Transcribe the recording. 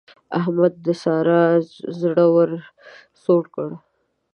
احمد د سارا زړه ور سوړ کړ.